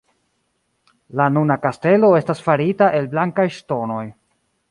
La nuna kastelo estas farita el blankaj ŝtonoj.